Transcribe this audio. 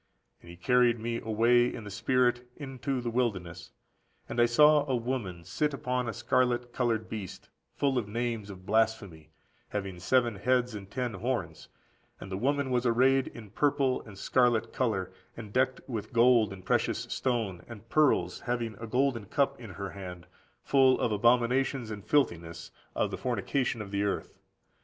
And he carried me away in the spirit into the wilderness: and I saw a woman sit upon a scarlet coloured beast, full of names of blasphemy, having seven heads and ten horns. And the woman was arrayed in purple and scarlet colour, and decked with gold, and precious stone,14741474 "Stones," rather. and pearls, having a golden cup in her hand, full of abominations and filthiness14751475 τὰ ἀκάθαρτα, for the received ἀκαθαρτότητος. of the fornication of the earth.